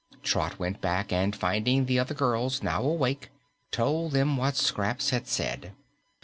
Trot went back, and finding the other girls now awake, told them what Scraps had said.